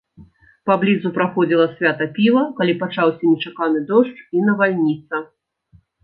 Паблізу праходзіла свята піва, калі пачаўся нечаканы дождж і навальніца.